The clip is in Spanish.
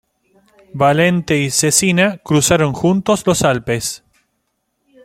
Valente y Cecina cruzaron juntos los Alpes.